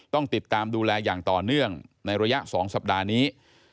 ต้องติดตามดูแลอย่างต่อเนื่องในระยะ๒สัปดาห์นี้